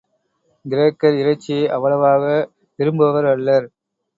கிரேக்கர் இறைச்சியை அவ்வளவாக விரும்புவர் அல்லர்.